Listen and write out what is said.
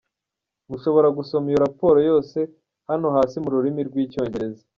Mushobora gusoma iyo raporo yose hano hasi mu rurimi rw’icyongereza: